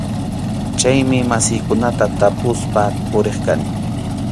Chaymi masiykunata tapuspa puriq kani.